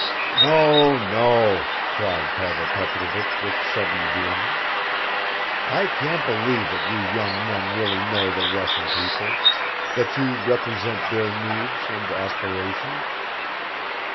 "No, no!" cried Pavel Petrovich with sudden vehemence. "I can't believe that you young men really know the Russian people, that you represent their needs and aspirations!